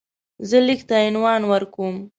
زه لیک ته عنوان ورکوم.